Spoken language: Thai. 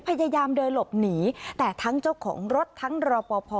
พยายามเดินหลบหนีแต่ทั้งเจ้าของรถทั้งรอปภ